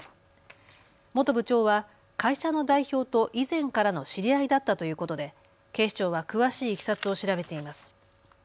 元部長は会社の代表と以前からの知り合いだったということで警視庁は詳しいいきさつを調べています。